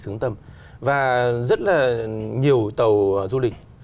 xứng tâm và rất là nhiều tàu du lịch